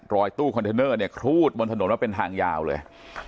ตู้คอนเทนเนอร์เนี่ยครูดบนถนนว่าเป็นทางยาวเลย